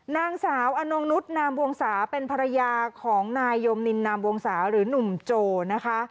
นางสาวอนงนุษย์นามวงศาเป็นภรรยาของนายโยมนินนามวงศาหรือหนุ่มโจนะคะ